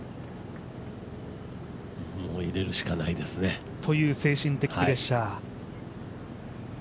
もう入れるしかないですね。という精神的プレッシャー。